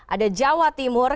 ada jawa timur